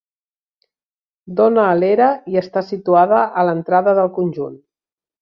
Dóna a l'era i està situada a l'entrada del conjunt.